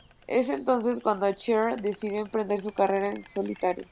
Es entonces cuando Cher decidió emprender su carrera en solitario.